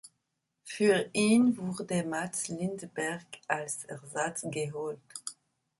Für ihn wurde Mats Lindberg als Ersatz geholt.